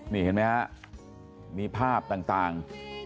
นี่เห็นไหมฮะมีภาพต่าง